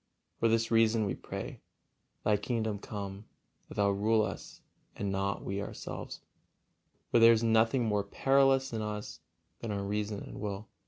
For this reason we pray: "Thy kingdom come, that Thou rule us, and not: we ourselves," for there is nothing more perilous in us than our reason and will.